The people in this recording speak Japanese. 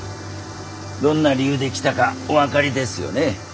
どんな理由で来たかお分かりですよね？